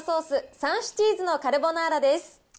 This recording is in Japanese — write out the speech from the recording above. ３種チーズのカルボナーラです。